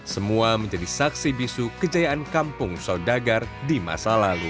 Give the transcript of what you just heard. semua menjadi saksi bisu kejayaan kampung saudagar di masa lalu